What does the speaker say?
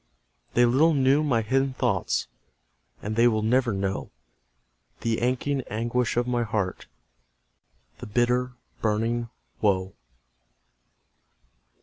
They little knew my hidden thoughts; And they will NEVER know The aching anguish of my heart, The bitter burning woe!